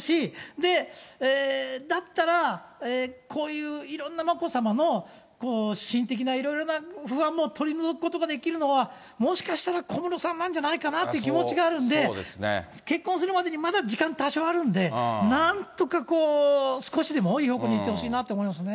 で、だったら、こういういろんな眞子さまの心的ないろいろな不安も取り除くことができるのは、もしかしたら小室さんなんじゃないかなという気持ちがあるんで、結婚するまでにまだ時間多少あるんで、なんとかこう、少しでもいい方向にいってほしいなと思いますね。